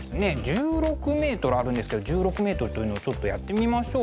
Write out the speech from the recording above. １６ｍあるんですけど１６ｍというのをちょっとやってみましょう。